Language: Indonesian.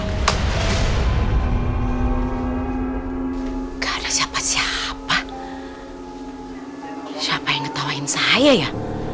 gak ada siapa siapa siapa yang ketawain saya ya